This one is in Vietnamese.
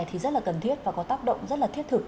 thì rất là cần thiết và có tác động rất là thiết thực